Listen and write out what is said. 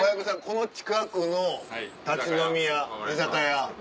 この近くの立ち飲み屋居酒屋。